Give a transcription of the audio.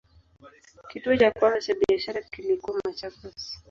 Kituo cha kwanza cha biashara kilikuwa Machakos.